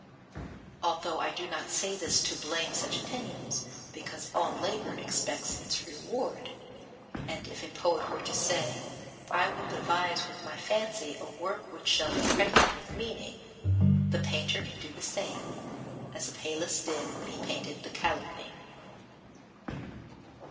Although I do not say this to blame such opinions, because all labour expects its reward; and if a poet were to say: "I will devise with my fancy a work which shall be pregnant with meaning," the painter can do the same, as Apelles did when he painted The Calumny.